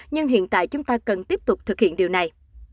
nhưng hiện tại chúng ta cần tiếp tục thực hiện điều này